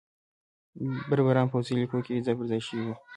بربریان پوځي لیکو کې ځای پرځای شوي وو.